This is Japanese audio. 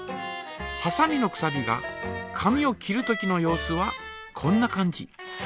はさみのくさびが紙を切るときの様子はこんな感じ。